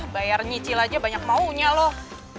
bayar nyicil aja banyak maunya loh